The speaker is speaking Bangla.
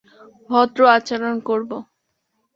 ভদ্র আচরণ করব!